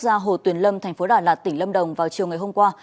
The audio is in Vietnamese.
ra hồ tuyền lâm thành phố đà lạt tỉnh lâm đồng vào chiều ngày hôm qua